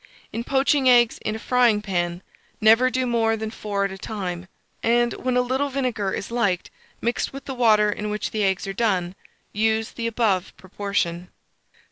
In poaching eggs in a frying pan, never do more than four at a time; and, when a little vinegar is liked mixed with the water in which the eggs are done, use the above proportion.